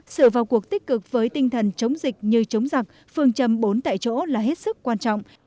sự vào cuộc tích cực với tinh thần chống dịch như chống giặc phương châm bốn tại chỗ là hết sức quan trọng